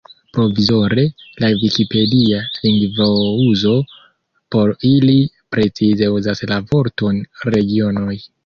Provizore, la vikipedia lingvouzo por ili precipe uzas la vorton "regionoj".